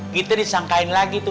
kita disangkain lagi tuh